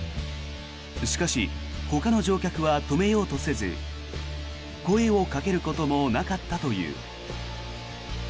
しかしほかの乗客は止めようとせず声をかけることもなかったという。